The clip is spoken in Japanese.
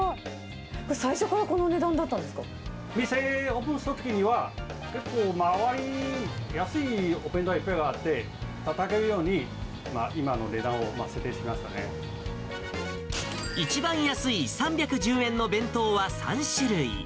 これ、最初からこの値段だったん店、オープンしたときには、結構周りに安いお弁当屋がいっぱいあって、戦えるように、今の値一番安い３１０円の弁当は３種類。